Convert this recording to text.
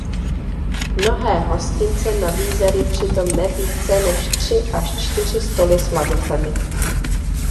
Mnohé hostince nabízeli přitom ne více než tři až čtyři stoly s lavicemi.